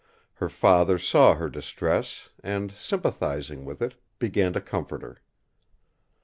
Her father saw her distress; and, sympathising with it, began to comfort her.